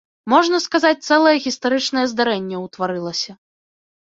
Можна сказаць, цэлае гістарычнае здарэнне ўтварылася.